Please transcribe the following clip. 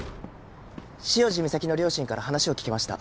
潮路岬の両親から話を聞きました。